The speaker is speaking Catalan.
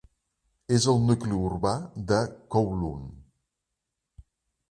És el nucli urbà de Kowloon.